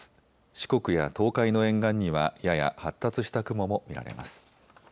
四国や東海の沿岸にはやや発達した雲も見られます。